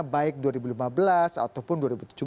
baik dua ribu lima belas ataupun dua ribu tujuh belas